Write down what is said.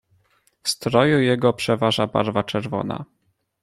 "W stroju jego przeważa barwa czerwona."